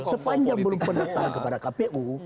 sejak belum mendaftar kepada kpu